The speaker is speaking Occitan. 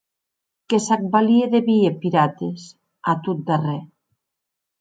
Que s'ac valie de vier pirates, a tot darrèr.